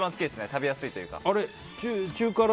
食べやすいというか。